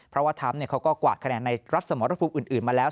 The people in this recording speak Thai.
เพราะว่าทรัมป์เขาก็กวาดคะแนนในรัฐสมรภูมิอื่นมาแล้ว